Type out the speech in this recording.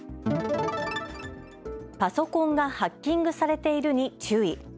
パソコンがハッキングされているに注意。